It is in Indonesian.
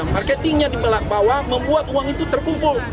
marketingnya di belak bawah membuat uang itu terkumpul